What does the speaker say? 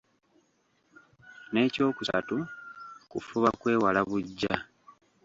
N’ekyokusatu kufuba kwewala buggya.